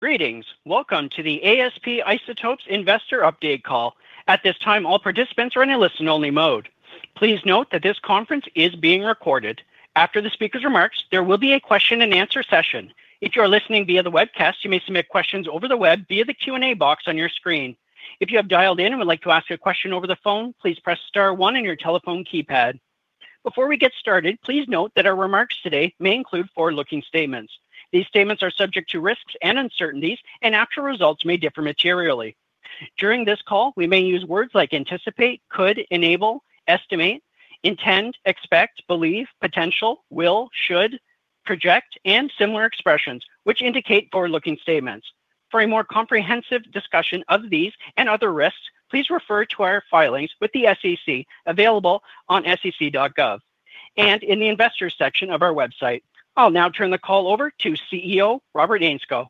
Greetings. Welcome to the ASP Isotopes investor update call. At this time, all participants are in a listen-only mode. Please note that this conference is being recorded. After the speaker's remarks, there will be a question-and-answer session. If you are listening via the webcast, you may submit questions over the web via the Q&A box on your screen. If you have dialed in and would like to ask a question over the phone, please press star one on your telephone keypad. Before we get started, please note that our remarks today may include forward-looking statements. These statements are subject to risks and uncertainties, and actual results may differ materially. During this call, we may use words like anticipate, could, enable, estimate, intend, expect, believe, potential, will, should, project, and similar expressions, which indicate forward-looking statements. For a more comprehensive discussion of these and other risks, please refer to our filings with the SEC available on sec.gov and in the investors' section of our website. I'll now turn the call over to CEO Robert Ainscow.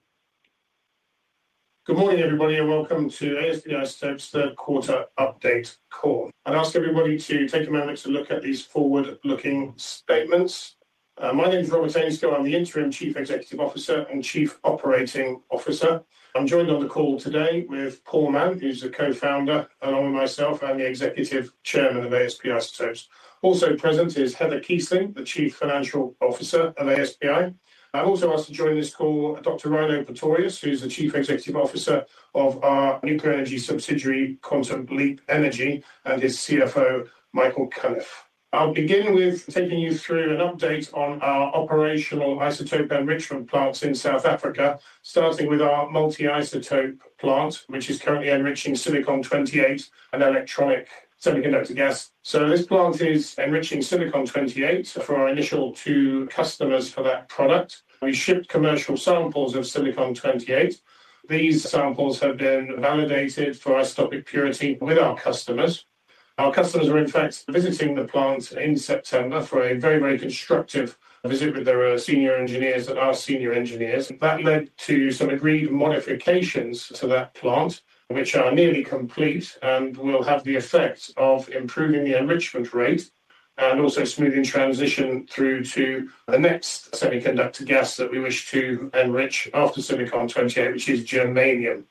Good morning, everybody, and welcome to ASP Isotopes third quarter update call. I'd ask everybody to take a moment to look at these forward-looking statements. My name is Robert Ainscow. I'm the Interim Chief Executive Officer and Chief Operating Officer. I'm joined on the call today with Paul Mann, who's the co-founder, along with myself and the Executive Chairman of ASP Isotopes. Also present is Heather Keesling, the Chief Financial Officer of ASP Isotopes. I've also asked to join this call Dr. Rhino Pretorius, who's the Chief Executive Officer of our nuclear energy subsidiary, Quantum Leap Energy, and his CFO, Michael Kniff. I'll begin with taking you through an update on our operational isotope enrichment plants in South Africa, starting with our multi-isotope plant, which is currently enriching silicon-28 and electronic semiconductor gas. This plant is enriching silicon-28 for our initial two customers for that product. We shipped commercial samples of silicon-28. These samples have been validated for isotopic purity with our customers. Our customers were, in fact, visiting the plant in September for a very, very constructive visit with their senior engineers and our senior engineers. That led to some agreed modifications to that plant, which are nearly complete and will have the effect of improving the enrichment rate and also smoothing transition through to the next semiconductor gas that we wish to enrich after silicon-28, which is germanium.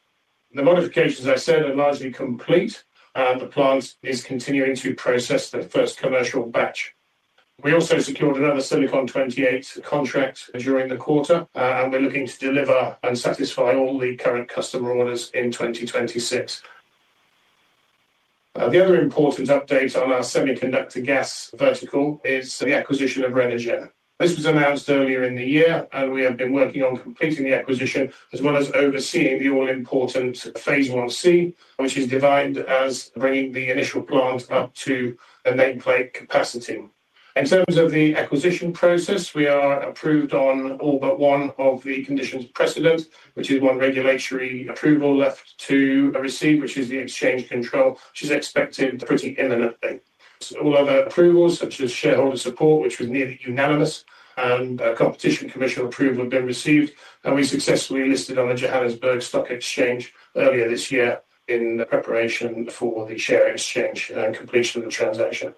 The modifications, as I said, are largely complete, and the plant is continuing to process the first commercial batch. We also secured another silicon-28 contract during the quarter, and we're looking to deliver and satisfy all the current customer orders in 2026. The other important update on our semiconductor gas vertical is the acquisition of Renergen. This was announced earlier in the year, and we have been working on completing the acquisition as well as overseeing the all-important phase 1C, which is defined as bringing the initial plant up to the nameplate capacity. In terms of the acquisition process, we are approved on all but one of the conditions precedent, which is one regulatory approval left to receive, which is the exchange control, which is expected pretty imminently. All other approvals, such as shareholder support, which was nearly unanimous, and competition commission approval have been received, and we successfully listed on the Johannesburg Stock Exchange earlier this year in preparation for the share exchange and completion of the transaction.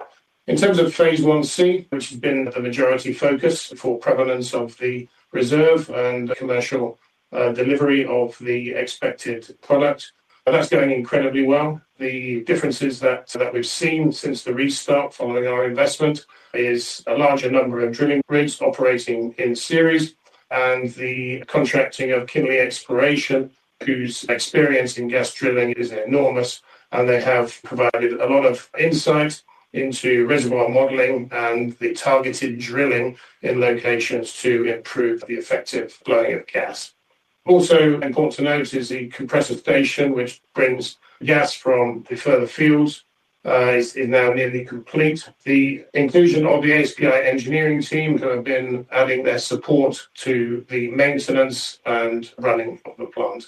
In terms of phase 1C, which has been the majority focus for provenance of the reserve and commercial delivery of the expected product, that's going incredibly well. The differences that we've seen since the restart following our investment are a larger number of drilling rigs operating in series and the contracting of Kimley Exploration, whose experience in gas drilling is enormous, and they have provided a lot of insight into reservoir modeling and the targeted drilling in locations to improve the effective flowing of gas. Also important to note is the compressor station, which brings gas from the further fields. It is now nearly complete. The inclusion of the ASP Isotopes engineering team who have been adding their support to the maintenance and running of the plant.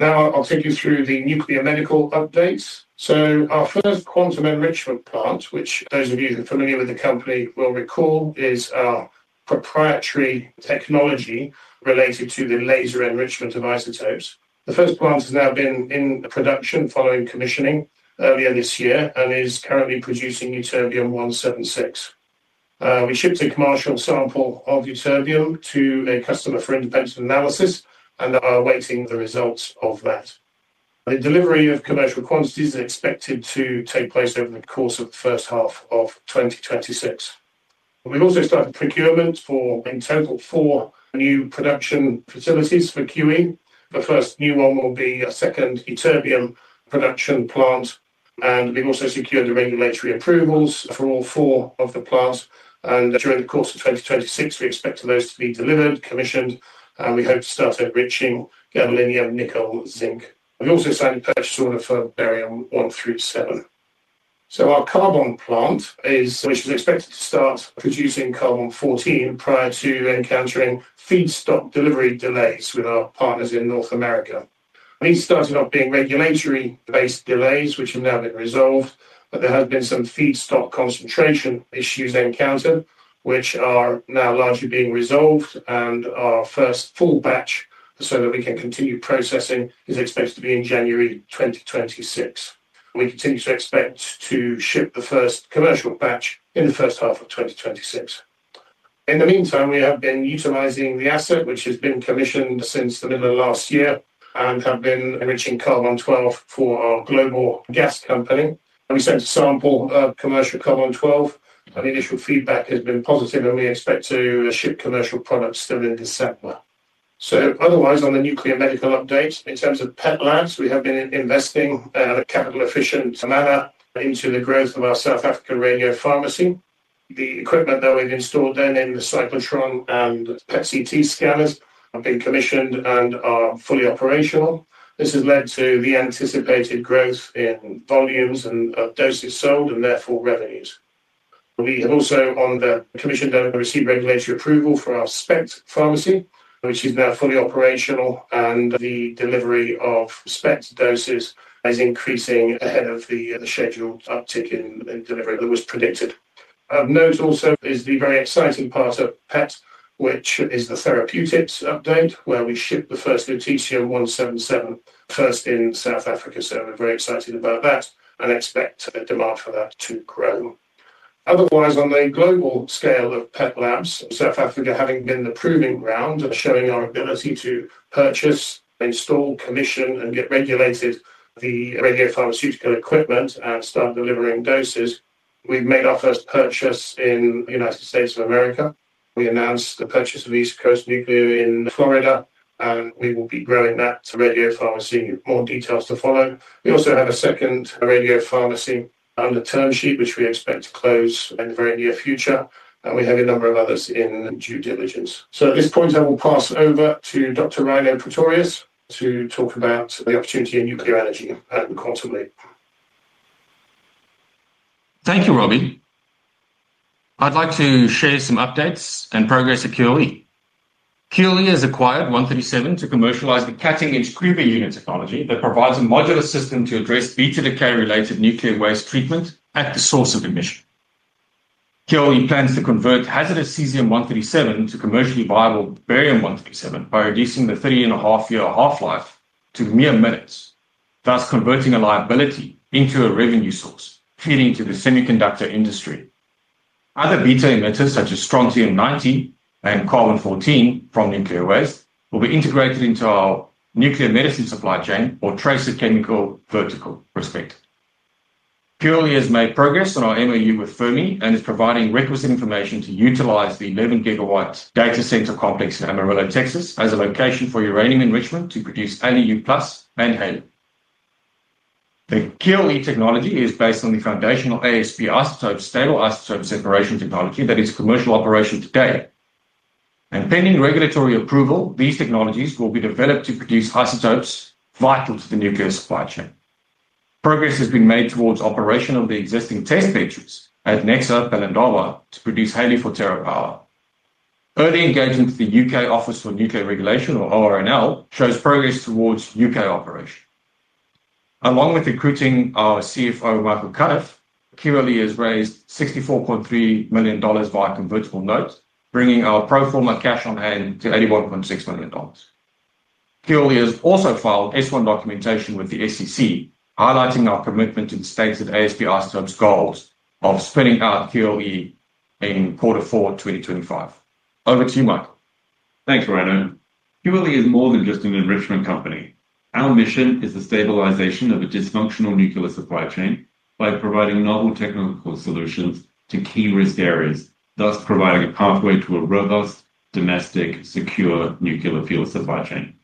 Now I'll take you through the nuclear medical updates. Our first quantum enrichment plant, which those of you who are familiar with the company will recall, is our proprietary technology related to the laser enrichment of isotopes. The first plant has now been in production following commissioning earlier this year and is currently producing ytterbium-176. We shipped a commercial sample of ytterbium to a customer for independent analysis, and we're awaiting the results of that. The delivery of commercial quantities is expected to take place over the course of the first half of 2026. We've also started procurement for, in total, four new production facilities for QE. The first new one will be a second ytterbium production plant, and we've also secured the regulatory approvals for all four of the plants. During the course of 2026, we expect those to be delivered, commissioned, and we hope to start enriching gadolinium, nickel, and zinc. We've also signed a purchase order for barium-130 through 137. Our carbon plant is expected to start producing carbon-14 prior to encountering feedstock delivery delays with our partners in North America. These started off being regulatory-based delays, which have now been resolved, but there have been some feedstock concentration issues encountered, which are now largely being resolved, and our first full batch, so that we can continue processing, is expected to be in January 2026. We continue to expect to ship the first commercial batch in the first half of 2026. In the meantime, we have been utilizing the asset, which has been commissioned since the middle of last year, and have been enriching carbon-12 for our global gas company. We sent a sample of commercial carbon-12, and the initial feedback has been positive, and we expect to ship commercial products still in December. Otherwise, on the nuclear medical update, in terms of PET Labs, we have been investing in a capital-efficient manner into the growth of our South African radiopharmacy. The equipment that we've installed in the cyclotron and PET-CT scanners have been commissioned and are fully operational. This has led to the anticipated growth in volumes and doses sold, and therefore revenues. We have also commissioned and received regulatory approval for our SPECT pharmacy, which is now fully operational, and the delivery of SPECT doses is increasing ahead of the scheduled uptick in delivery that was predicted. Of note also is the very exciting part of PET, which is the therapeutics update, where we shipped the first lutetium-177 first in South Africa. We are very excited about that and expect the demand for that to grow. Otherwise, on the global scale of PET Labs, South Africa having been the proving ground, showing our ability to purchase, install, commission, and get regulated the radiopharmaceutical equipment and start delivering doses. We have made our first purchase in the United States of America. We announced the purchase of East Coast Nuclear in Florida, and we will be growing that radiopharmacy. More details to follow. We also have a second radiopharmacy under term sheet, which we expect to close in the very near future, and we have a number of others in due diligence. At this point, I will pass over to Dr. Rhino Pretorius to talk about the opportunity in nuclear energy at the quarterly. Thank you, Robbie. I'd like to share some updates and progress at QLE. QLE has acquired cesium-137 to commercialize the cutting-edge KUBE unit technology that provides a modular system to address beta decay-related nuclear waste treatment at the source of emission. QLE plans to convert hazardous cesium-137 to commercially viable barium-137 by reducing the three-and-a-half-year half-life to mere minutes, thus converting a liability into a revenue source feeding to the semiconductor industry. Other beta emitters such as strontium-90 and carbon-14 from nuclear waste will be integrated into our nuclear medicine supply chain or tracer chemical vertical respectively. QLE has made progress on our MOU with Fermi and is providing requisite information to utilize the 11-gigawatt data center complex in Amarillo, Texas, as a location for uranium enrichment to produce LEU Plus and HALEU. The QLE technology is based on the foundational ASP Isotopes stable isotope separation technology that is in commercial operation today. Pending regulatory approval, these technologies will be developed to produce isotopes vital to the nuclear supply chain. Progress has been made towards operation of the existing test batteries at Nexa Bellendawa to produce helium for TerraPower. Early engagement with the U.K. Office for Nuclear Regulation, or ONR, shows progress towards U.K. operation. Along with recruiting our CFO, Michael Kniff, QLE has raised $64.3 million via convertible note, bringing our pro forma cash on hand to $81.6 million. QLE has also filed S-1 documentation with the SEC, highlighting our commitment to the stated ASP Isotopes goals of spinning out QLE in quarter four 2025. Over to you, Michael. Thanks, Rhino. QLE is more than just an enrichment company. Our mission is the stabilization of a dysfunctional nuclear supply chain by providing novel technical solutions to key risk areas, thus providing a pathway to a robust, domestic, secure nuclear fuel supply chain.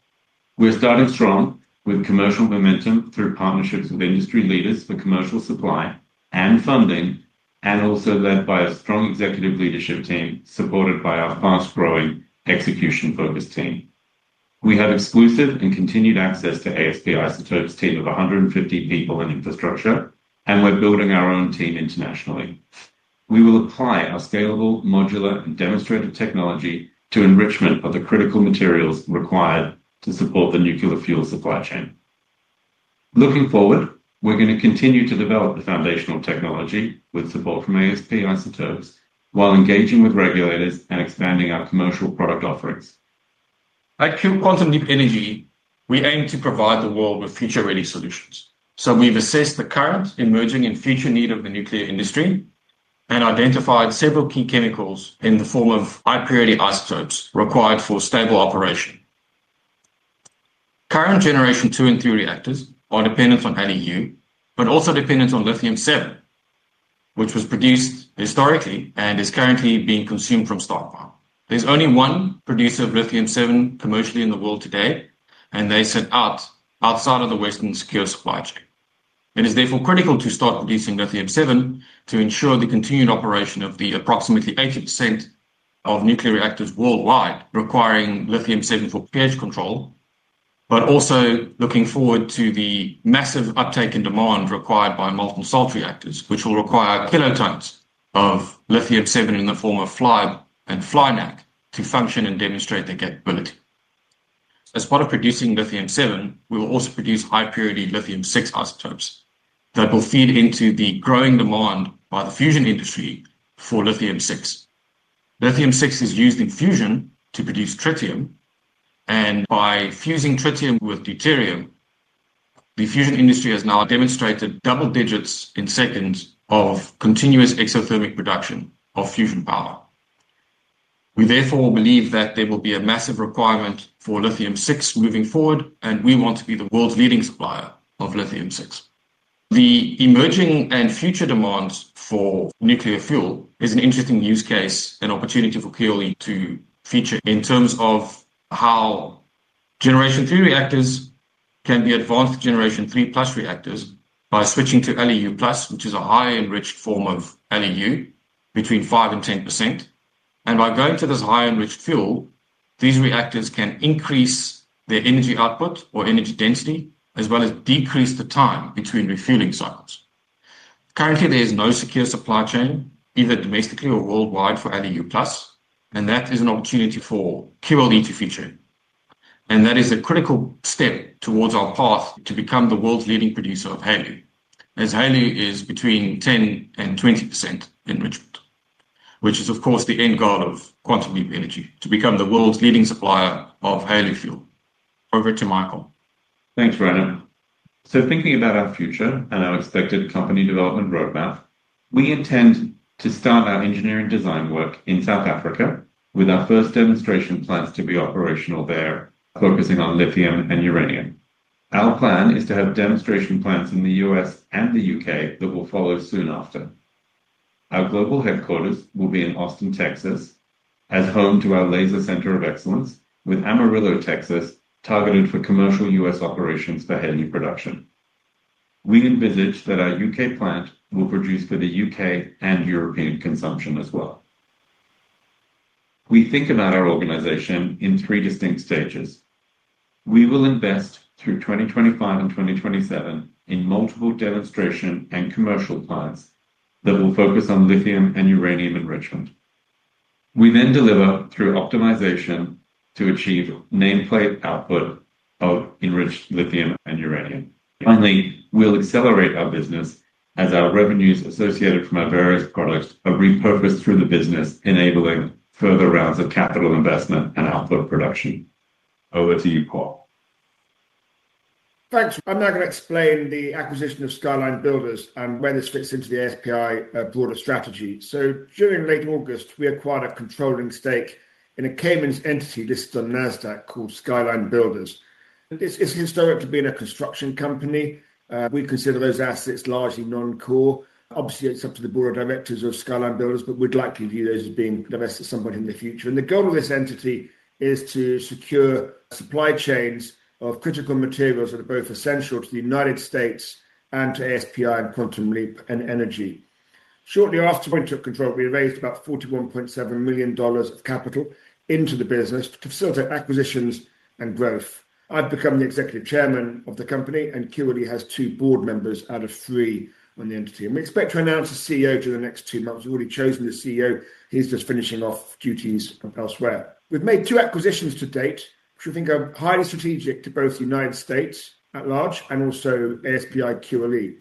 We're starting strong with commercial momentum through partnerships with industry leaders for commercial supply and funding, and also led by a strong executive leadership team supported by our fast-growing execution-focused team. We have exclusive and continued access to ASP Isotopes' team of 150 people and infrastructure, and we're building our own team internationally. We will apply our scalable, modular, and demonstrated technology to enrichment of the critical materials required to support the nuclear fuel supply chain. Looking forward, we're going to continue to develop the foundational technology with support from ASP Isotopes while engaging with regulators and expanding our commercial product offerings. At Quantum Leap Energy, we aim to provide the world with future-ready solutions. We have assessed the current, emerging, and future need of the nuclear industry and identified several key chemicals in the form of high-purity isotopes required for stable operation. Current generation two and three reactors are dependent on NEU, but also dependent on lithium-7, which was produced historically and is currently being consumed from stockpile. There is only one producer of lithium-7 commercially in the world today, and they sit outside of the Western secure supply chain. It is therefore critical to start producing lithium-7 to ensure the continued operation of the approximately 80% of nuclear reactors worldwide requiring lithium-7 for pH control, but also looking forward to the massive uptake and demand required by molten salt reactors, which will require kilotons of lithium-7 in the form of fly and fly NAC to function and demonstrate their capability. As part of producing lithium-7, we will also produce high-purity lithium-6 isotopes that will feed into the growing demand by the fusion industry for lithium-6. Lithium-6 is used in fusion to produce tritium, and by fusing tritium with deuterium, the fusion industry has now demonstrated double digits in seconds of continuous exothermic production of fusion power. We therefore believe that there will be a massive requirement for lithium-6 moving forward, and we want to be the world's leading supplier of lithium-6. The emerging and future demands for nuclear fuel is an interesting use case and opportunity for QLE to feature in terms of how generation three reactors can be advanced to generation three plus reactors by switching to LEU plus, which is a high-enriched form of LEU between 5% and 10%. By going to this high-enriched fuel, these reactors can increase their energy output or energy density, as well as decrease the time between refueling cycles. Currently, there is no secure supply chain, either domestically or worldwide, for LEU Plus, and that is an opportunity for QLE to feature. That is a critical step towards our path to become the world's leading producer of HALEU, as HALEU is between 10%-20% enrichment, which is, of course, the end goal of Quantum Leap Energy, to become the world's leading supplier of HALEU fuel. Over to Michael. Thanks, Rhino. Thinking about our future and our expected company development roadmap, we intend to start our engineering design work in South Africa with our first demonstration plants to be operational there, focusing on lithium and uranium. Our plan is to have demonstration plants in the U.S. and the U.K. that will follow soon after. Our global headquarters will be in Austin, Texas, as home to our Laser Center of Excellence, with Amarillo, Texas, targeted for commercial U.S. operations for helium production. We envisage that our U.K. plant will produce for the U.K. and European consumption as well. We think about our organization in three distinct stages. We will invest through 2025 and 2027 in multiple demonstration and commercial plants that will focus on lithium and uranium enrichment. We then deliver through optimization to achieve nameplate output of enriched lithium and uranium. Finally, we'll accelerate our business as our revenues associated from our various products are repurposed through the business, enabling further rounds of capital investment and output production. Over to you, Paul. Thanks. I'm now going to explain the acquisition of Skyline Builders and where this fits into the ASP Isotopes broader strategy. During late August, we acquired a controlling stake in a Cayman Islands entity listed on NASDAQ called Skyline Builders. This is historic to being a construction company. We consider those assets largely non-core. Obviously, it's up to the board of directors of Skyline Builders, but we'd likely view those as being divested somewhat in the future. The goal of this entity is to secure supply chains of critical materials that are both essential to the United States and to ASP Isotopes and Quantum Leap Energy. Shortly after we took control, we raised about $41.7 million of capital into the business to facilitate acquisitions and growth. I've become the Executive Chairman of the company, and Quantum Leap Energy has two board members out of three on the entity. We expect to announce a CEO during the next two months. We've already chosen the CEO. He's just finishing off duties elsewhere. We've made two acquisitions to date, which we think are highly strategic to both the United States at large and also ASP and QLE.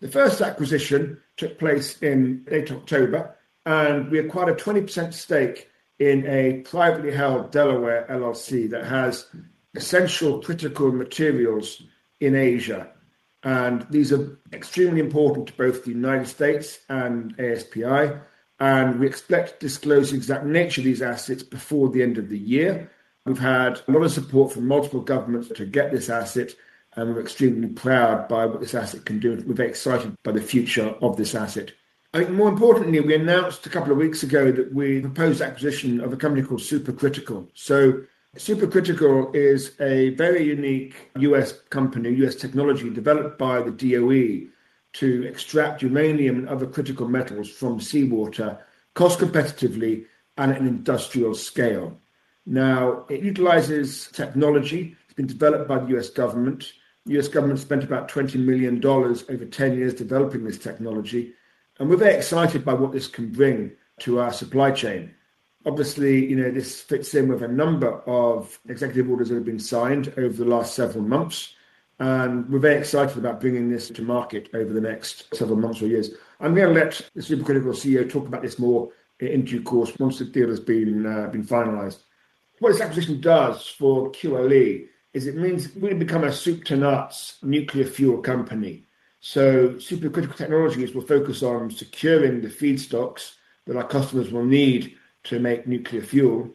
The first acquisition took place in late October, and we acquired a 20% stake in a privately held Delaware company that has essential critical materials in Asia. These are extremely important to both the United States and ASP. We expect to disclose the exact nature of these assets before the end of the year. We've had a lot of support from multiple governments to get this asset, and we're extremely proud by what this asset can do. We're very excited by the future of this asset. I think more importantly, we announced a couple of weeks ago that we proposed acquisition of a company called Supercritical. Supercritical is a very unique U.S. company, U.S technology developed by the DOE to extract uranium and other critical metals from seawater cost-competitively and at an industrial scale. Now, it utilizes technology that's been developed by the U.S. government. The U.S. government spent about $20 million over 10 years developing this technology, and we're very excited by what this can bring to our supply chain. Obviously, you know this fits in with a number of executive orders that have been signed over the last several months, and we're very excited about bringing this to market over the next several months or years. I'm going to let the Supercritical CEO talk about this more in due course once the deal has been finalized. What this acquisition does for QLE is it means we've become a soup-to-nuts nuclear fuel company. Supercritical Technologies will focus on securing the feedstocks that our customers will need to make nuclear fuel.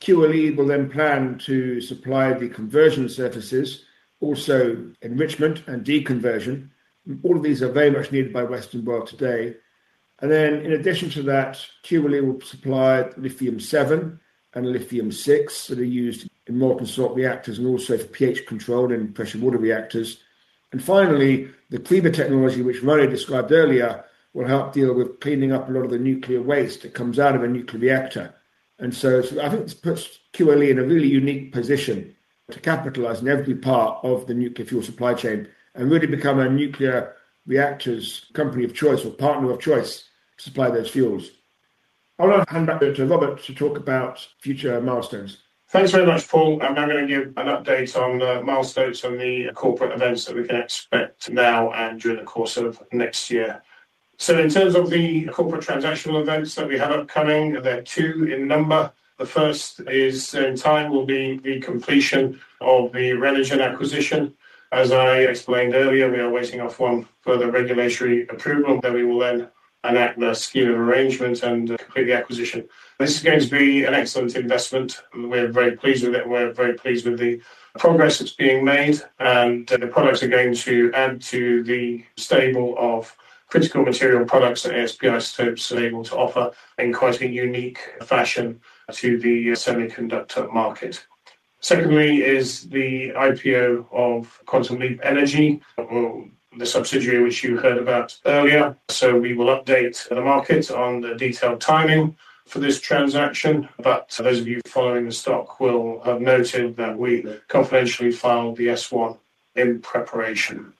QLE will then plan to supply the conversion surfaces, also enrichment and deconversion. All of these are very much needed by Western world today. In addition to that, QLE will supply lithium-7 and lithium-6 that are used in molten salt reactors and also for pH control in pressure water reactors. Finally, the KUBE technology, which Rhino described earlier, will help deal with cleaning up a lot of the nuclear waste that comes out of a nuclear reactor. I think this puts QLE in a really unique position to capitalize on every part of the nuclear fuel supply chain and really become a nuclear reactor's company of choice or partner of choice to supply those fuels. I'll now hand back to Robert to talk about future milestones. Thanks very much, Paul. I'm now going to give an update on milestones on the corporate events that we can expect now and during the course of next year. In terms of the corporate transactional events that we have upcoming, there are two in number. The first in time will be the completion of the Renergen acquisition. As I explained earlier, we are waiting off one further regulatory approval that we will then enact the scheme of arrangement and complete the acquisition. This is going to be an excellent investment. We're very pleased with it. We're very pleased with the progress that's being made, and the products are going to add to the stable of critical material products that ASP Isotopes is able to offer in quite a unique fashion to the semiconductor market. Secondly is the IPO of Quantum Leap Energy, the subsidiary which you heard about earlier. We will update the market on the detailed timing for this transaction. Those of you following the stock will have noted that we confidentially filed the S-1 in preparation.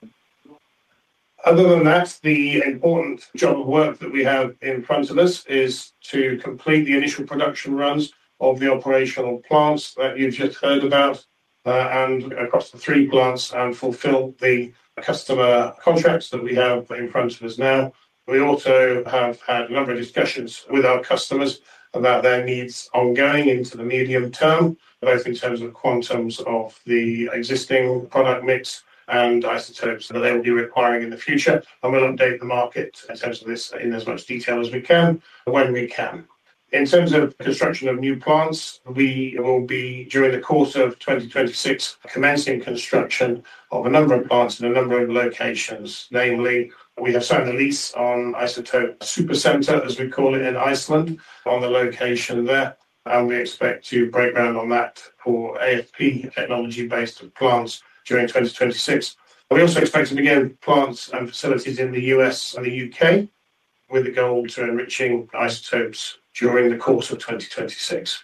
Other than that, the important job of work that we have in front of us is to complete the initial production runs of the operational plants that you've just heard about and across the three plants and fulfill the customer contracts that we have in front of us now. We also have had a number of discussions with our customers about their needs ongoing into the medium term, both in terms of quantums of the existing product mix and isotopes that they will be requiring in the future. We will update the market in terms of this in as much detail as we can when we can. In terms of construction of new plants, we will be, during the course of 2026, commencing construction of a number of plants in a number of locations. Namely, we have signed a lease on Isotope Supercenter, as we call it, in Iceland, on the location there. We expect to break ground on that for ASP technology-based plants during 2026. We also expect to begin plants and facilities in the U.S. and the U.K. with the goal to enrich isotopes during the course of 2026.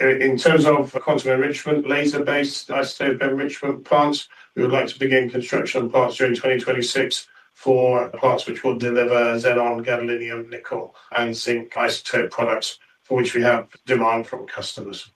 In terms of quantum enrichment, laser-based isotope enrichment plants, we would like to begin construction of plants during 2026 for plants which will deliver xenon, gadolinium, nickel, and zinc isotope products for which we have demand from customers.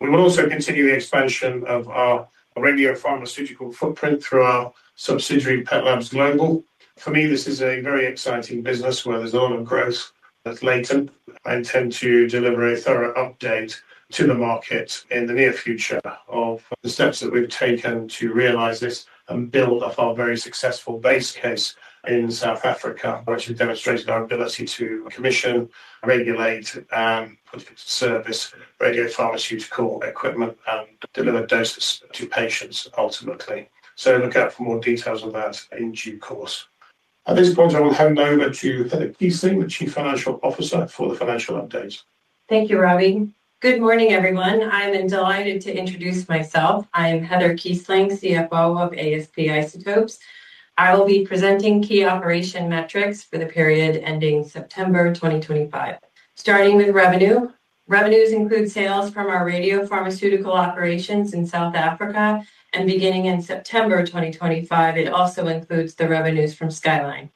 We will also continue the expansion of our radiopharmaceutical footprint through our subsidiary PET Labs Global. For me, this is a very exciting business where there's a lot of growth that's latent. I intend to deliver a thorough update to the market in the near future of the steps that we've taken to realize this and build off our very successful base case in South Africa, which has demonstrated our ability to commission, regulate, and put to service radiopharmaceutical equipment and deliver doses to patients ultimately. Look out for more details on that in due course. At this point, I will hand over to Heather Keesling, the Chief Financial Officer for the financial update. Thank you, Robbie. Good morning, everyone. I'm delighted to introduce myself. I am Heather Keesling, CFO of ASP Isotopes. I will be presenting key operation metrics for the period ending September 2025. Starting with revenue, revenues include sales from our radiopharmaceutical operations in South Africa, and beginning in September 2025, it also includes the revenues from Skyline.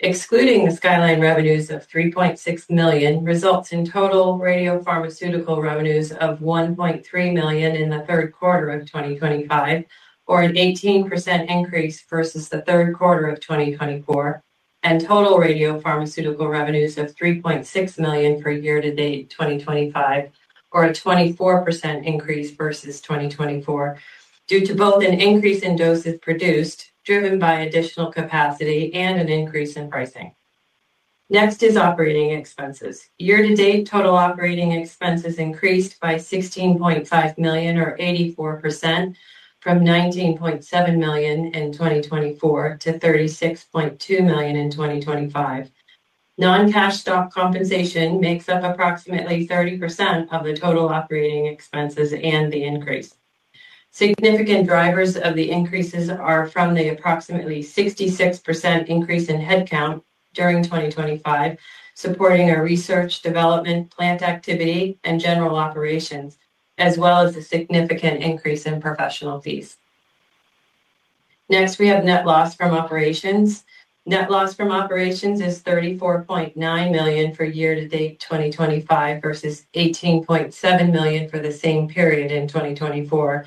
Excluding the Skyline revenues of $3.6 million results in total radiopharmaceutical revenues of $1.3 million in the third quarter of 2025, or an 18% increase versus the third quarter of 2024, and total radiopharmaceutical revenues of $3.6 million for year-to-date 2025, or a 24% increase versus 2024, due to both an increase in doses produced driven by additional capacity and an increase in pricing. Next is operating expenses. Year-to-date total operating expenses increased by $16.5 million, or 84%, from $19.7 million in 2024 to $36.2 million in 2025. Non-cash stock compensation makes up approximately 30% of the total operating expenses and the increase. Significant drivers of the increases are from the approximately 66% increase in headcount during 2025, supporting our research, development, plant activity, and general operations, as well as a significant increase in professional fees. Next, we have net loss from operations. Net loss from operations is $34.9 million for year-to-date 2025 versus $18.7 million for the same period in 2024.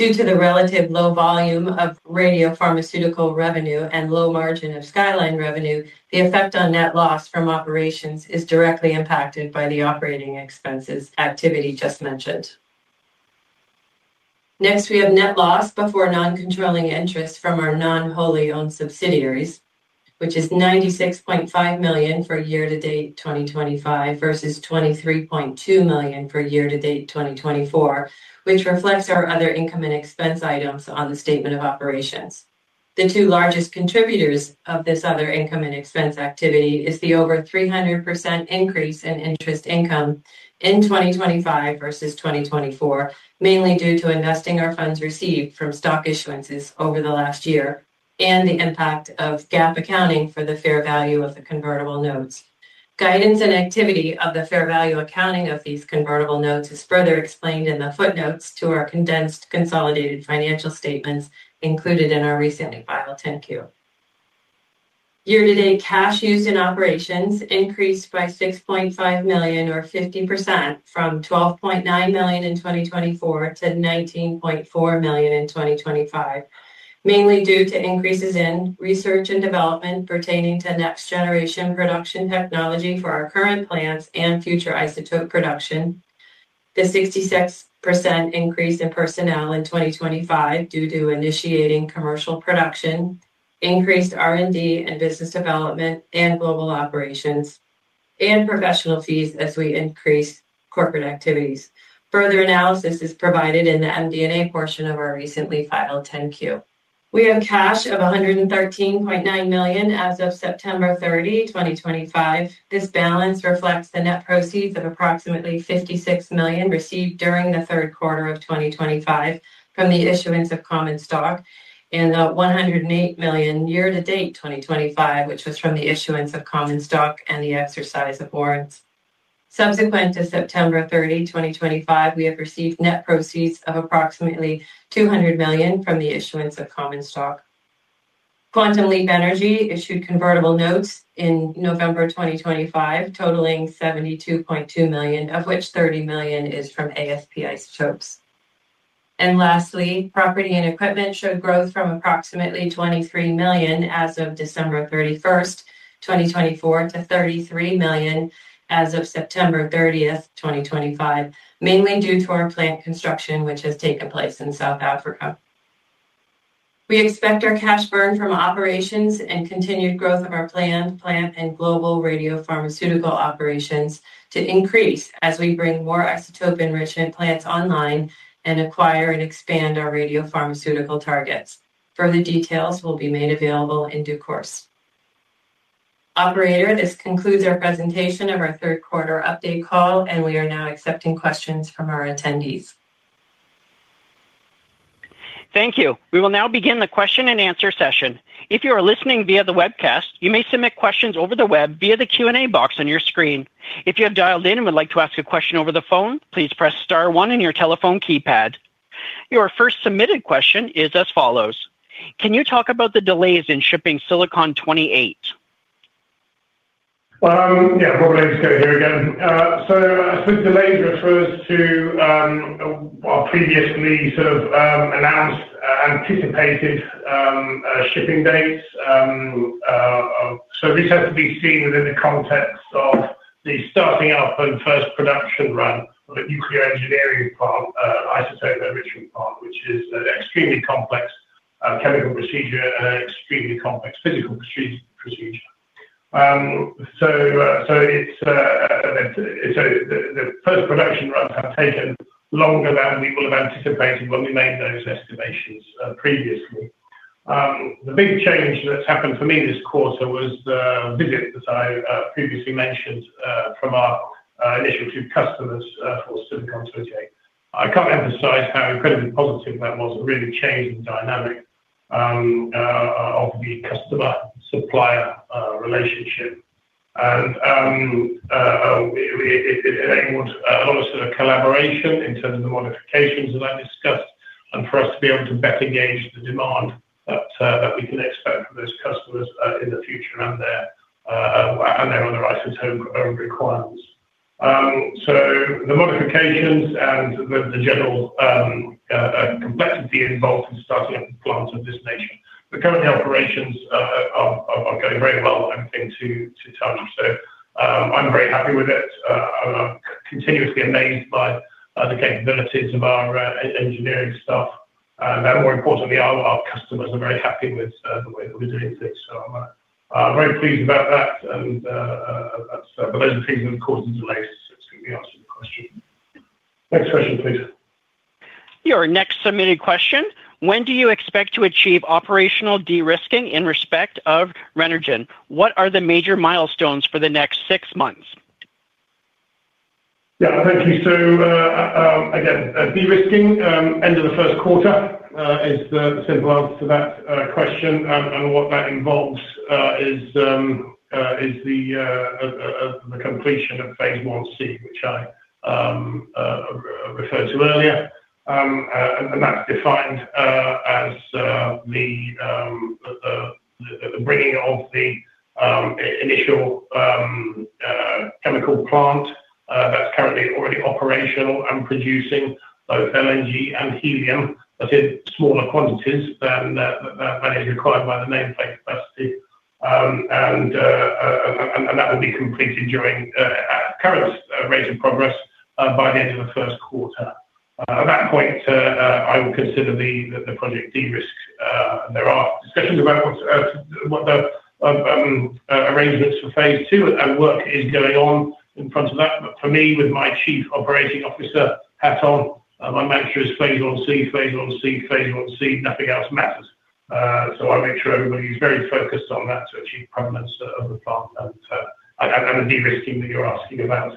Due to the relative low volume of radiopharmaceutical revenue and low margin of Skyline revenue, the effect on net loss from operations is directly impacted by the operating expenses activity just mentioned. Next, we have net loss before non-controlling interest from our non-wholly-owned subsidiaries, which is $96.5 million for year-to-date 2025 versus $23.2 million for year-to-date 2024, which reflects our other income and expense items on the statement of operations. The two largest contributors of this other income and expense activity is the over 300% increase in interest income in 2025 versus 2024, mainly due to investing our funds received from stock issuances over the last year and the impact of GAAP accounting for the fair value of the convertible notes. Guidance and activity of the fair value accounting of these convertible notes is further explained in the footnotes to our condensed consolidated financial statements included in our recently filed 10-Q. Year-to-date cash used in operations increased by $6.5 million, or 50%, from $12.9 million in 2024 to $19.4 million in 2025, mainly due to increases in research and development pertaining to next-generation production technology for our current plants and future isotope production. The 66% increase in personnel in 2025 due to initiating commercial production increased R&D and business development and global operations and professional fees as we increase corporate activities. Further analysis is provided in the MD&A portion of our recently filed 10-Q. We have cash of $113.9 million as of September 30, 2025. This balance reflects the net proceeds of approximately $56 million received during the third quarter of 2025 from the issuance of common stock and the $108 million year-to-date 2025, which was from the issuance of common stock and the exercise of warrants. Subsequent to September 30, 2025, we have received net proceeds of approximately $200 million from the issuance of common stock. Quantum Leap Energy issued convertible notes in November 2025, totaling $72.2 million, of which $30 million is from ASP Isotopes. Property and equipment showed growth from approximately $23 million as of December 31, 2024, to $33 million as of September 30, 2025, mainly due to our plant construction, which has taken place in South Africa. We expect our cash burn from operations and continued growth of our planned plant and global radiopharmaceutical operations to increase as we bring more isotope enrichment plants online and acquire and expand our radiopharmaceutical targets. Further details will be made available in due course. Operator, this concludes our presentation of our third quarter update call, and we are now accepting questions from our attendees. Thank you. We will now begin the question and answer session. If you are listening via the webcast, you may submit questions over the web via the Q&A box on your screen. If you have dialed in and would like to ask a question over the phone, please press star one on your telephone keypad. Your first submitted question is as follows. Can you talk about the delays in shipping Silicon-28? Yeah, Robert Ainscow here again. I suppose delays refer to our previously sort of announced anticipated shipping dates. This has to be seen within the context of the starting up and first production run of the nuclear engineering part, isotope enrichment part, which is an extremely complex chemical procedure and an extremely complex physical procedure. The first production runs have taken longer than we would have anticipated when we made those estimations previously. The big change that's happened for me this quarter was the visit that I previously mentioned from our initial two customers for Silicon-28. I can't emphasize how incredibly positive that was and really changed the dynamic of the customer-supplier relationship. It enabled a lot of sort of collaboration in terms of the modifications that I discussed and for us to be able to better gauge the demand that we can expect from those customers in the future and their other isotope requirements. The modifications and the general complexity involved in starting up a plant of this nature. Currently, operations are going very well, everything to touch. I am very happy with it. I am continuously amazed by the capabilities of our engineering staff. More importantly, our customers are very happy with the way that we are doing things. I am very pleased about that. Those are the things that have caused the delays, so it is going to be answered in question. Next question, please. Your next submitted question. When do you expect to achieve operational de-risking in respect of Renergen? What are the major milestones for the next six months? Yeah, thank you. Again, de-risking, end of the first quarter is the simple answer to that question. What that involves is the completion of phase 1C, which I referred to earlier. That is defined as the bringing of the initial chemical plant that is currently already operational and producing both LNG and helium, but in smaller quantities than is required by the nameplate capacity. That will be completed during current rate of progress by the end of the first quarter. At that point, I will consider the project de-risked. There are discussions about what the arrangements for phase 2 are and work is going on in front of that. For me, with my Chief Operating Officer hat on, my mantra is phase 1C, phase 1C, phase 1C, nothing else matters. I make sure everybody is very focused on that to achieve permanence of the plant and the de-risking that you're asking about.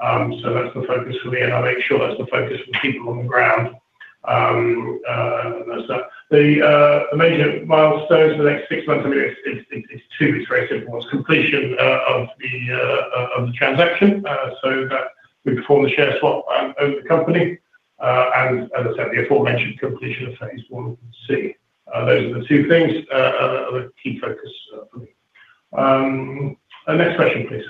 That's the focus for me, and I make sure that's the focus for the people on the ground. The major milestones for the next six months, I mean, it's two. It's very simple. It's completion of the transaction so that we perform the share swap over the company. And as I said, the aforementioned completion of phase 1C. Those are the two things that are the key focus for me. Next question, please.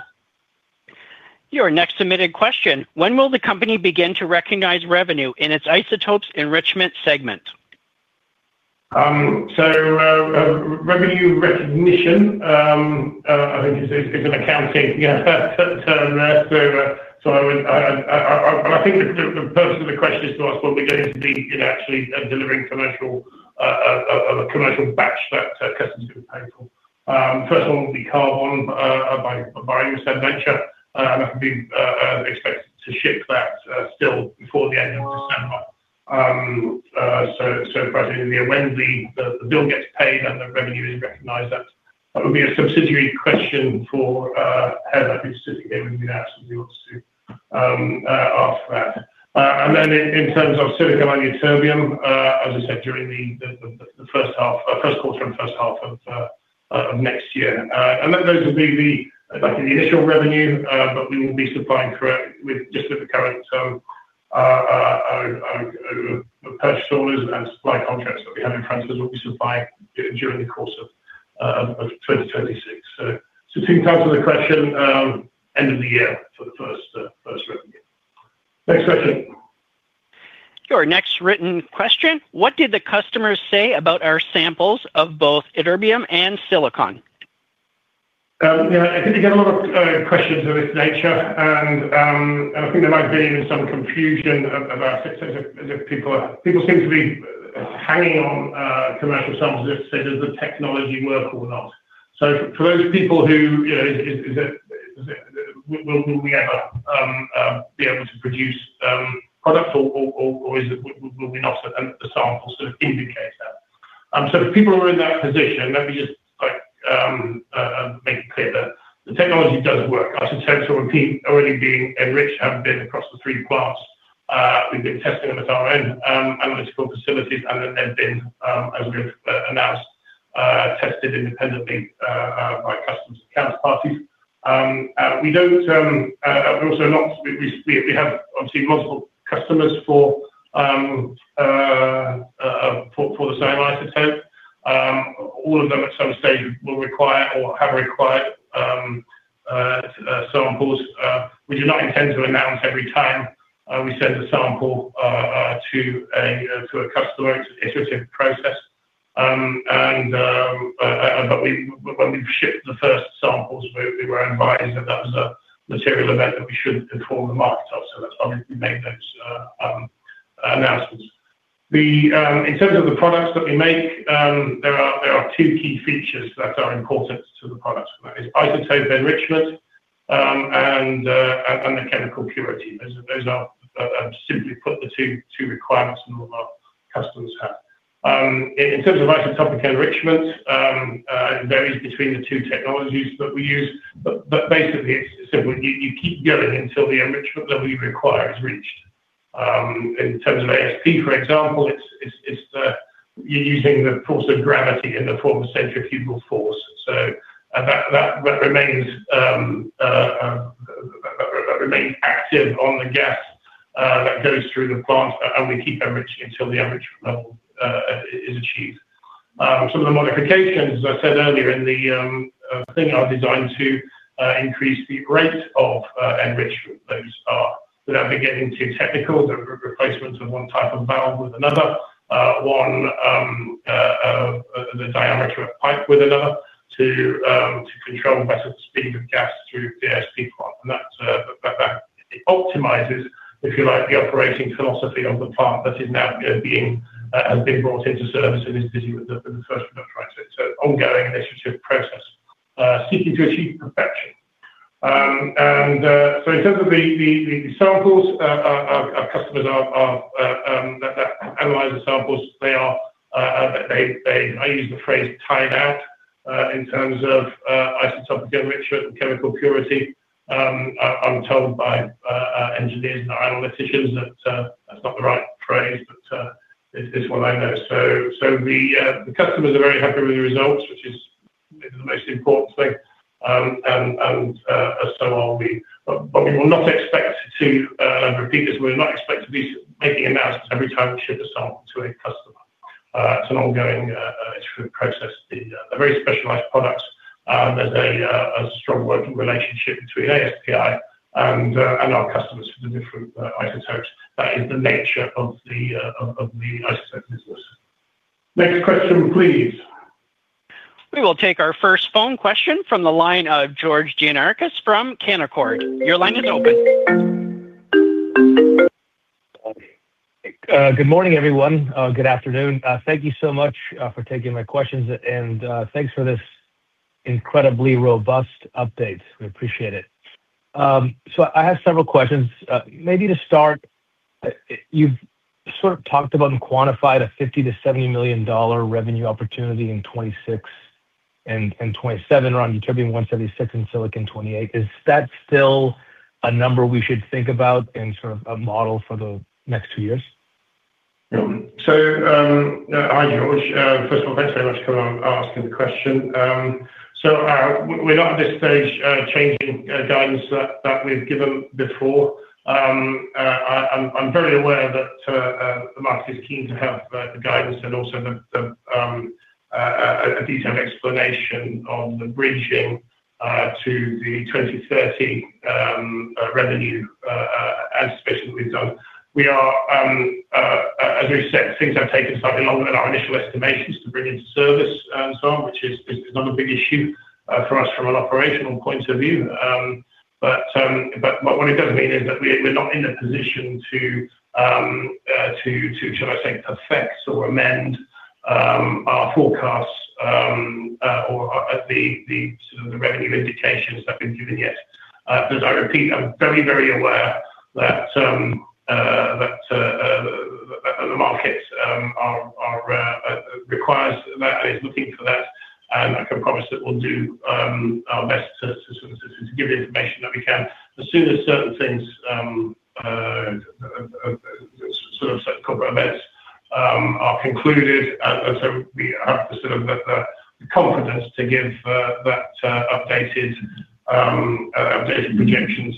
Your next submitted question. When will the company begin to recognize revenue in its isotopes enrichment segment? Revenue recognition, I think, is an accounting term. I think the purpose of the question is to ask what we're going to be actually delivering commercial batch that customers are going to pay for. First of all, it will be carbon by BioMaster Ventures. That can be expected to ship still before the end of December. Probably in the end, the bill gets paid and the revenue is recognized. That would be a subsidiary question for Heather, who's sitting here with me now, if she wants to ask that. In terms of silicon isotopium, as I said, during the first quarter and first half of next year. Those will be the initial revenue, but we will be supplying with just the current purchase orders and supply contracts that we have in front of us, will be supplying during the course of 2026. Two times of the question, end of the year for the first revenue. Next question. Your next written question. What did the customers say about our samples of both Ytterbium and Silicon? Yeah, I think they get a lot of questions of its nature. I think there might be even some confusion about it. People seem to be hanging on commercial samples to say, "Does the technology work or not?" For those people who will we ever be able to produce product, or will we not? The samples sort of indicate that. For people who are in that position, let me just make it clear that the technology does work. I should say, so repeat, already being enriched, have been across the three plants. We've been testing them at our own analytical facilities, and then they've been, as we've announced, tested independently by customers and counterparties. We also have obviously multiple customers for the same isotope. All of them at some stage will require or have required samples. We do not intend to announce every time we send a sample to a customer. It's an iterative process. When we've shipped the first samples, we were advised that that was a material event that we should inform the market of. That's why we've made those announcements. In terms of the products that we make, there are two key features that are important to the products. That is isotope enrichment and the chemical purity. Those are, simply put, the two requirements that our customers have. In terms of isotopic enrichment, it varies between the two technologies that we use. Basically, it's simple, you keep going until the enrichment level you require is reached. In terms of ASP, for example, you're using the force of gravity in the form of centrifugal force. That remains active on the gas that goes through the plant, and we keep enriching until the enrichment level is achieved. Some of the modifications, as I said earlier, in the thing are designed to increase the rate of enrichment. Those are, without beginning too technical, the replacement of one type of valve with another, one of the diameter of pipe with another to control better speed of gas through the ASP plant. That optimizes, if you like, the operating philosophy of the plant that is now being, has been brought into service and is busy with the first product line. It is an ongoing initiative process seeking to achieve perfection. In terms of the samples, our customers that analyze the samples, they are, I use the phrase, tied out in terms of isotopic enrichment and chemical purity. I'm told by engineers and analysts that that's not the right phrase, but it's what I know. The customers are very happy with the results, which is the most important thing. And so are we. We will not expect to repeat this. We will not expect to be making announcements every time we ship a sample to a customer. It's an ongoing process. They're very specialized products. There's a strong working relationship between ASP Isotopes and our customers for the different isotopes. That is the nature of the isotope business. Next question, please. We will take our first phone question from the line of George Giannarcus from Canaccord. Your line is open. Good morning, everyone. Good afternoon. Thank you so much for taking my questions, and thanks for this incredibly robust update. We appreciate it. I have several questions. Maybe to start, you've sort of talked about and quantified a $50-$70 million revenue opportunity in 2026 and 2027 around Ytterbium-176 and Silicon-28. Is that still a number we should think about and sort of model for the next two years? Hi, George. First of all, thanks very much for asking the question. We're not at this stage changing guidance that we've given before. I'm very aware that the market is keen to have the guidance and also a detailed explanation of the bridging to the 2030 revenue anticipation that we've done. We are, as we've said, things have taken slightly longer than our initial estimations to bring into service and so on, which is not a big issue for us from an operational point of view. What it does mean is that we're not in a position to, shall I say, perfect or amend our forecasts or the revenue indications that have been given yet. I repeat, I'm very, very aware that the market requires that and is looking for that. I can promise that we'll do our best to give the information that we can. As soon as certain things, sort of corporate events, are concluded, and we have the confidence to give that updated projections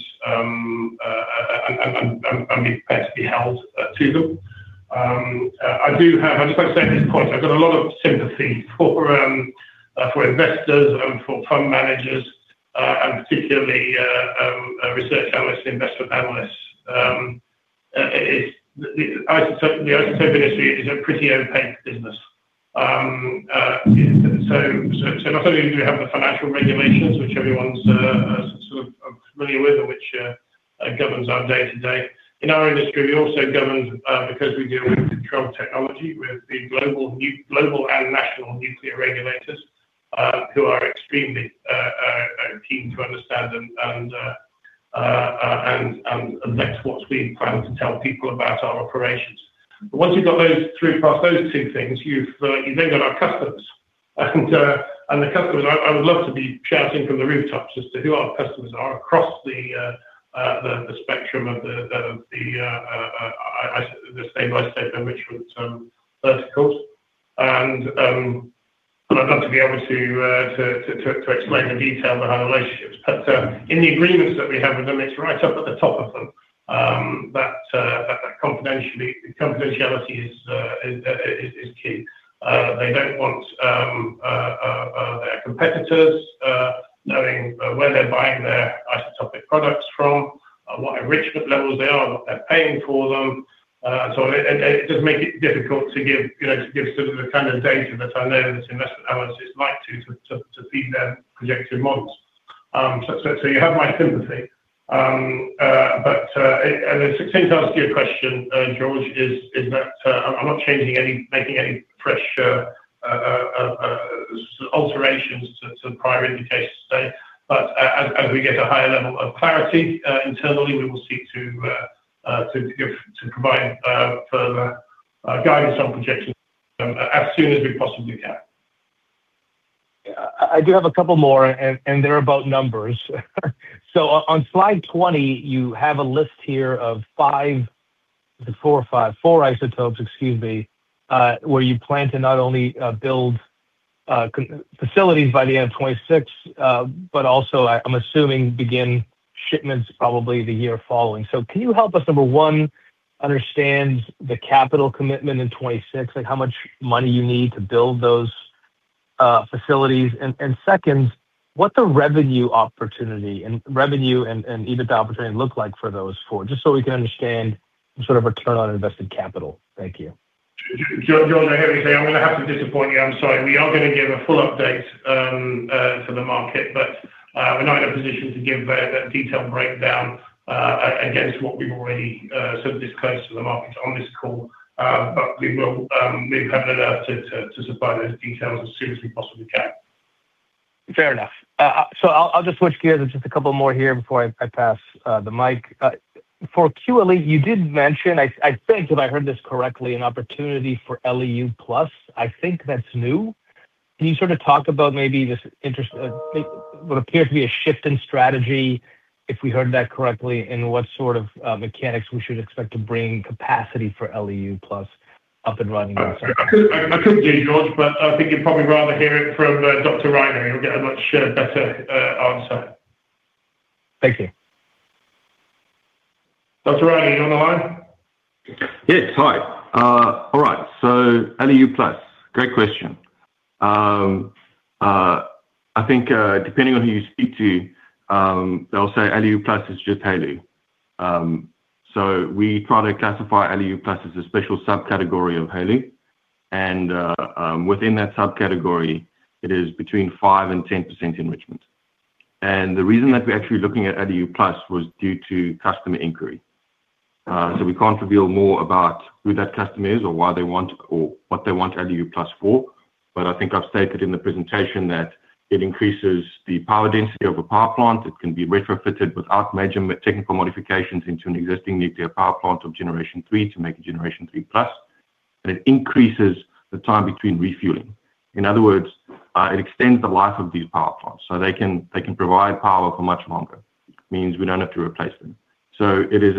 and be prepared to be held to them. I just want to say at this point, I've got a lot of sympathy for investors and for fund managers, and particularly research analysts, investment analysts. The isotope industry is a pretty opaque business. Not only do we have the financial regulations, which everyone's sort of familiar with and which governs our day-to-day, in our industry, we also govern because we deal with controlled technology with the global and national nuclear regulators who are extremely keen to understand and that's what we plan to tell people about our operations. Once you've got those through past those two things, you've then got our customers. The customers, I would love to be shouting from the rooftops as to who our customers are across the spectrum of the stable isotope enrichment verticals. I'd love to be able to explain the detail behind relationships. In the agreements that we have with them, it's right up at the top of them that confidentiality is key. They don't want their competitors knowing where they're buying their isotopic products from, what enrichment levels they are, what they're paying for them. It does make it difficult to give sort of the kind of data that I know that investment analysts like to feed their projected models. You have my sympathy. To answer your question, George, I'm not changing any, making any fresh alterations to prior indications today. As we get a higher level of clarity internally, we will seek to provide further guidance on projections as soon as we possibly can. I do have a couple more, and they're about numbers. On slide 20, you have a list here of four or five isotopes, excuse me, where you plan to not only build facilities by the end of 2026, but also, I'm assuming, begin shipments probably the year following. Can you help us, number one, understand the capital commitment in 2026, like how much money you need to build those facilities? Second, what the revenue opportunity and revenue and EBITDA opportunity look like for those four, just so we can understand sort of return on invested capital? Thank you. George, I hear you saying. I'm going to have to disappoint you. I'm sorry. We are going to give a full update to the market, but we're not in a position to give that detailed breakdown against what we've already sort of disclosed to the market on this call. We have the nerve to supply those details as soon as we possibly can. Fair enough. I'll just switch gears with just a couple more here before I pass the mic. For QLE, you did mention, I think, if I heard this correctly, an opportunity for LEU Plus. I think that's new. Can you sort of talk about maybe what appears to be a shift in strategy, if we heard that correctly, and what sort of mechanics we should expect to bring capacity for LEU Plus up and running? I couldn't do George, but I think you'd probably rather hear it from Dr. Riley. You'll get a much better answer. Thank you. Dr. Riley, are you on the line? Yes. Hi. All right. LEU Plus, great question. I think depending on who you speak to, they'll say LEU Plus is just HALEU. We try to classify LEU Plus as a special subcategory of HALEU. Within that subcategory, it is between 5-10% enrichment. The reason that we're actually looking at LEU Plus was due to customer inquiry. We can't reveal more about who that customer is or why they want or what they want LEU Plus for. I think I've stated in the presentation that it increases the power density of a power plant. It can be retrofitted without major technical modifications into an existing nuclear power plant of generation three to make a generation three plus. It increases the time between refueling. In other words, it extends the life of these power plants. They can provide power for much longer. It means we do not have to replace them. It is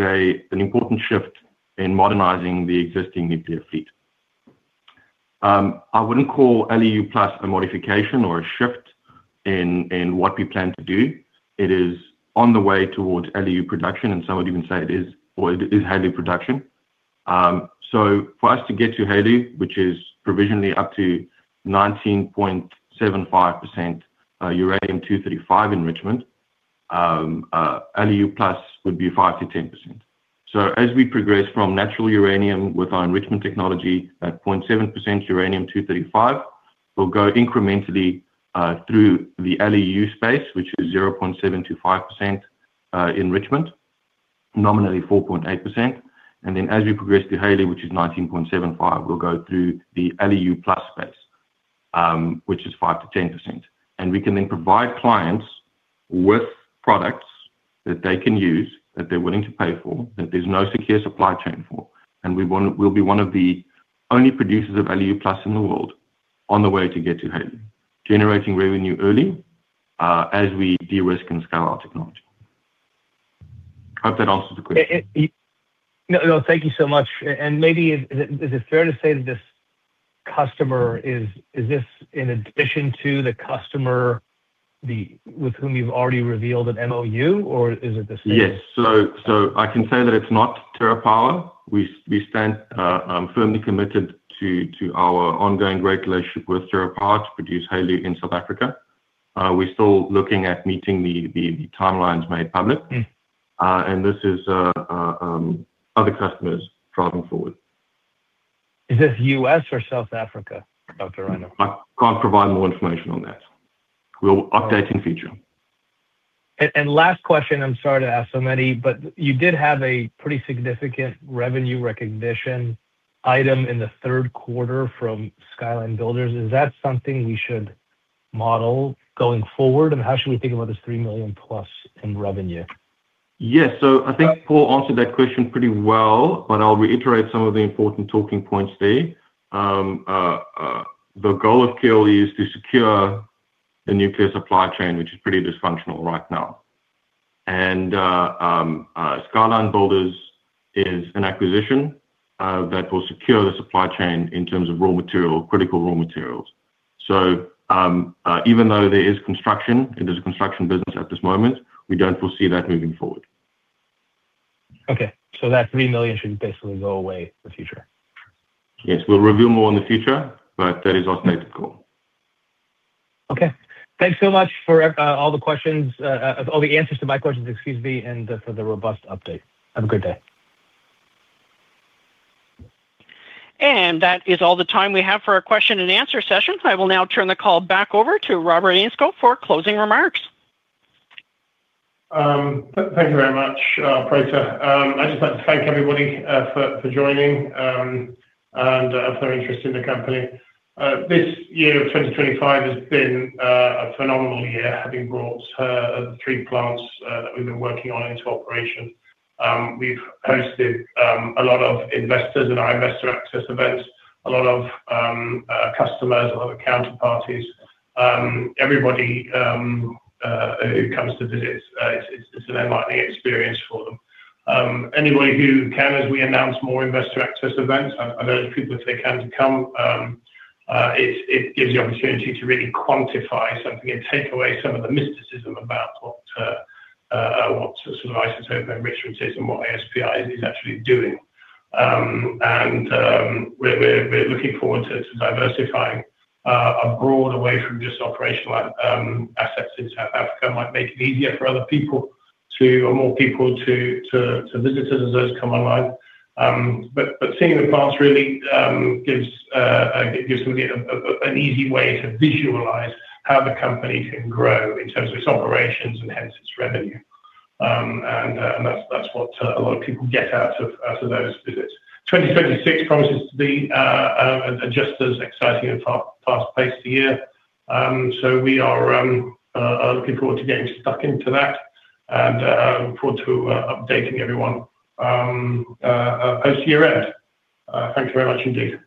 an important shift in modernizing the existing nuclear fleet. I would not call LEU Plus a modification or a shift in what we plan to do. It is on the way towards LEU production, and some would even say it is HALEU production. For us to get to HALEU, which is provisionally up to 19.75% uranium-235 enrichment, LEU Plus would be 5-10%. As we progress from natural uranium with our enrichment technology at 0.7% uranium-235, we will go incrementally through the LEU space, which is 0.7-2.5% enrichment, nominally 4.8%. Then as we progress to HALEU, which is 19.75%, we will go through the LEU Plus space, which is 5-10%. We can then provide clients with products that they can use, that they're willing to pay for, that there's no secure supply chain for. We'll be one of the only producers of LEU Plus in the world on the way to get to HALEU, generating revenue early as we de-risk and scale our technology. I hope that answers the question. No, thank you so much. Maybe is it fair to say that this customer, is this in addition to the customer with whom you've already revealed an MoU, or is it the same? Yes. I can say that it's not TerraPower. We stand firmly committed to our ongoing great relationship with TerraPower to produce HALEU in South Africa. We're still looking at meeting the timelines made public. This is other customers driving forward. Is this US or South Africa, Dr. Riley? I can't provide more information on that. We'll update in future. Last question. I'm sorry to ask so many, but you did have a pretty significant revenue recognition item in the third quarter from Skyline Builders. Is that something we should model going forward? How should we think about this $3 million plus in revenue? Yes. I think Paul answered that question pretty well, but I'll reiterate some of the important talking points there. The goal of QLE is to secure the nuclear supply chain, which is pretty dysfunctional right now. Skylan Builders is an acquisition that will secure the supply chain in terms of raw material, critical raw materials. Even though there is a construction business at this moment, we don't foresee that moving forward. Okay. So that $3 million should basically go away in the future? Yes. We'll reveal more in the future, but that is our stated goal. Okay. Thanks so much for all the questions, all the answers to my questions, excuse me, and for the robust update. Have a good day. That is all the time we have for our question and answer session. I will now turn the call back over to Robert Ainscow for closing remarks. Thank you very much, Prater. I'd just like to thank everybody for joining and for their interest in the company. This year of 2025 has been a phenomenal year, having brought the three plants that we've been working on into operation. We've hosted a lot of investors and our investor access events, a lot of customers, a lot of counterparties. Everybody who comes to visit, it's an enlightening experience for them. Anybody who can, as we announce more investor access events, I know there's people if they can come, it gives the opportunity to really quantify something and take away some of the mysticism about what sort of isotope enrichment is and what ASP Isotopes is actually doing. We're looking forward to diversifying a broad way from just operational assets in South Africa. It might make it easier for other people or more people to visit us as those come online. Seeing the plants really gives somebody an easy way to visualize how the company can grow in terms of its operations and hence its revenue. That is what a lot of people get out of those visits. 2026 promises to be just as exciting and fast-paced a year. We are looking forward to getting stuck into that and look forward to updating everyone post-year-end. Thank you very much indeed.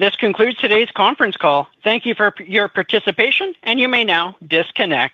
This concludes today's conference call. Thank you for your participation, and you may now disconnect.